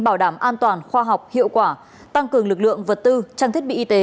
bảo đảm an toàn khoa học hiệu quả tăng cường lực lượng vật tư trang thiết bị y tế